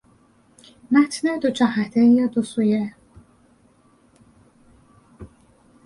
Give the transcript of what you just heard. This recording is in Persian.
متن دو جهته یا دو سویه